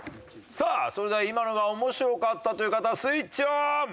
さあそれでは今のが面白かったという方スイッチオン！